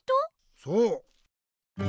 そう！